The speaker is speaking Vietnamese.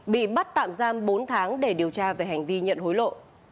bị bắt tạm giam bốn tháng để điều tra về hành vi nhận hối lộ